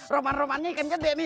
roman romannya ikan ikan deh nih